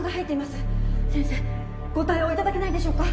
先生。ご対応いただけないでしょうか？